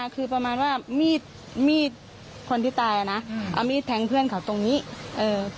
คือประมาณว่ามีดมีดคนที่ตายอ่ะนะเอามีดแทงเพื่อนเขาตรงนี้เอ่อ